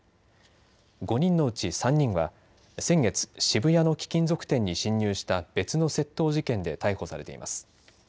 ５人のうち３人は先月、渋谷の貴金属店に侵入した別の窃盗事件で逮捕されています。